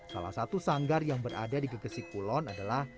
salah satu sanggar yang berada di gegesik kulon adalah